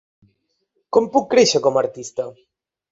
Com puc créixer com a artista?